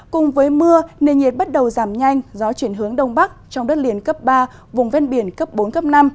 cùng với mưa nền nhiệt bắt đầu giảm nhanh gió chuyển hướng đông bắc trong đất liền cấp ba vùng ven biển cấp bốn cấp năm